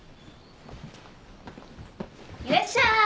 いらっしゃーい！